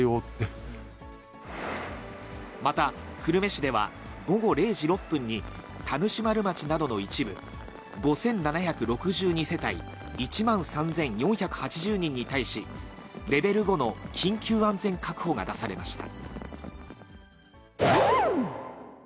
また、久留米市では、午後０時６分に、田主丸町などの一部、５７６２世帯１万３４８０人に対し、レベル５の緊急安全確保が出されました。